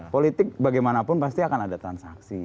politik bagaimanapun pasti akan ada transaksi